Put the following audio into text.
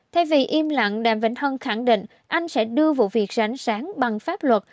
thay vì im lặng đàm vĩnh hân khẳng định anh sẽ đưa vụ việc ránh sáng bằng pháp luật